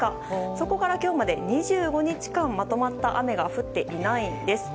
そこから今日まで２５日間まとまった雨が降っていないんです。